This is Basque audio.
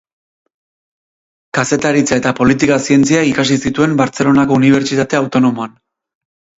Kazetaritza eta Politika Zientziak ikasi zituen Bartzelonako Unibertsitate Autonomoan.